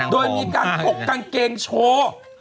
โดยมีการหกกางเขงช่วง